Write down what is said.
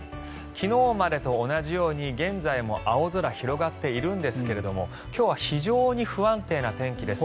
昨日までと同じように現在も青空広がっていますが今日は非常に不安定な天気です。